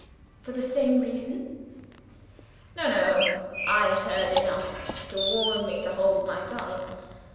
"For the same reason?" "No, no. I heard enough to warn me to hold my tongue.